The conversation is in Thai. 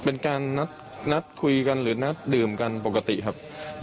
เป็นการนัดคุยกันหรือนัดดื่มกันปกติครับ